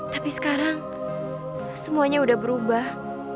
tapi sekarang semuanya udah berubah